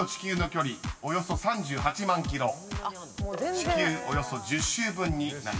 ［地球およそ１０周分になります］